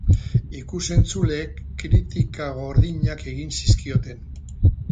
Ikus-entzuleek kritika gordinak egin zizkioten.